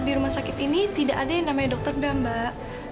di rumah sakit ini tidak ada yang namanya dr dam mbak